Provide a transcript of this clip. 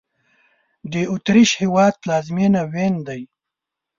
د اوترېش هېواد پلازمېنه وین دی